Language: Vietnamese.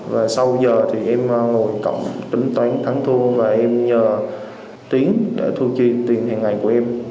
và sau giờ thì em ngồi cổng tính toán thắng thu và em nhờ tiến để thu chi tiền hàng ngày của em